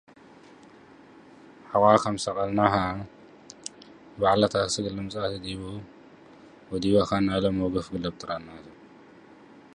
This article is about the written literature.